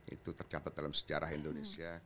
itu tercatat dalam sejarah indonesia